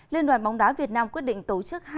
liên đoàn bóng đá việt nam quyết định tổ chức